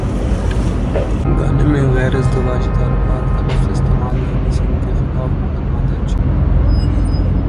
گانے میں غیر ازدواجی تعلقات کا لفظ استعمال ہنی سنگھ کے خلاف مقدمہ درج